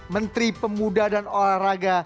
menteri pemuda dan olahraga